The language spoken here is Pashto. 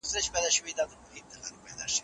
که تاسي غواړئ قوي اوسئ، نو ورزش مه پریږدئ.